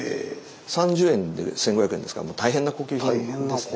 ３０円で１，５００円ですから大変な高級品ですね。